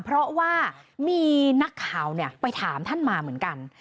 เพราะว่ามีนักข่าวไปถามท่านมาเหมือนกัน